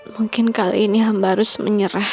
mungkin kali ini hambarus menyerah